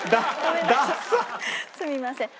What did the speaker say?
すみません。